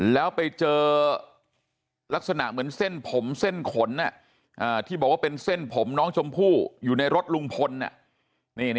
แล้วไปเจอลักษณะเหมือนเส้นผมเส้นขนที่บอกว่าเป็นเส้นผมน้องชมพู่อยู่ในรถลุงพล